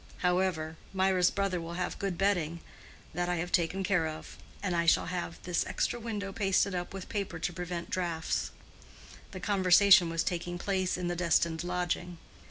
However, Mirah's brother will have good bedding—that I have taken care of; and I shall have this extra window pasted up with paper to prevent draughts." (The conversation was taking place in the destined lodging.)